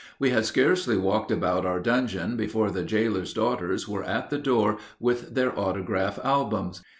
We had scarcely walked about our dungeon before the jailer's daughters were at the door with their autograph albums.